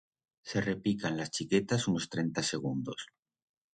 Se repican las chiquetas unos trenta segundos.